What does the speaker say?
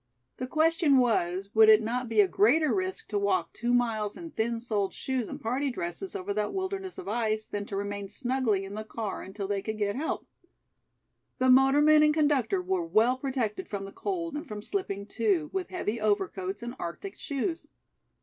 The question was, would it not be a greater risk to walk two miles in thin soled shoes and party dresses over that wilderness of ice than to remain snugly in the car until they could get help? The motorman and conductor were well protected from the cold and from slipping, too, with heavy overcoats and arctic shoes.